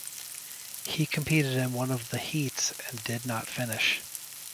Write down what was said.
He competed in one of the heats and did not finish.